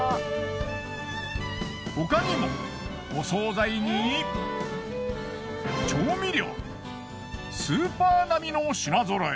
他にもお惣菜に調味料スーパーなみの品揃え。